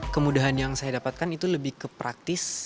kemudahan yang saya dapatkan itu lebih ke praktis